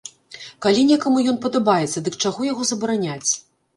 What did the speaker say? Калі некаму ён падабаецца, дык чаго яго забараняць?